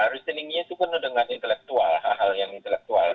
reasoning itu penuh dengan hal yang intelektual